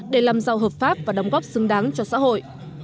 để làm giàu hợp pháp và đóng góp xứng đáng cho xã hội